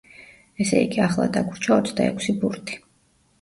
ესე იგი, ახლა დაგვრჩა ოცდაექვსი ბურთი.